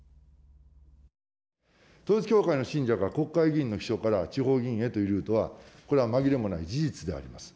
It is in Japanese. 統一教会の信者から国会議員の秘書から地方議員へというルートは、これは紛れもない事実であります。